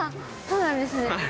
そうなんですね。